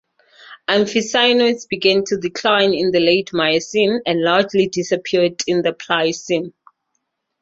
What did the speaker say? Amphicyonids began to decline in the late Miocene, and largely disappeared in the Pliocene.